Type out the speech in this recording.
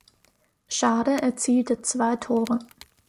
Schade erzielte zwei Tore.